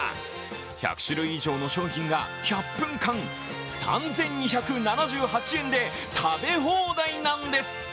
１００種類以上の商品が１００分間３２７８円で食べ放題なんです。